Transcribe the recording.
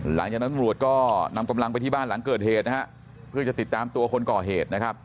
หลังจากนั้นตำรวจก็นำกำลังไปที่บ้านหลังเกิดเหตุนะฮะเพื่อจะติดตามตัวคนก่อเหตุนะครับ